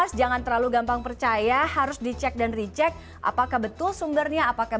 di medsos jangan terlalu gampang percaya harus dicek dan dicek apakah betul sumbernya apakah